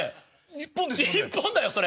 日本だよそれ。